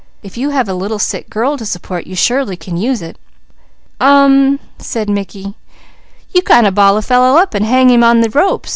"If you have a little sick girl to support, you surely can use it." "Umm!" said Mickey. "You kind of ball a fellow up and hang him on the ropes.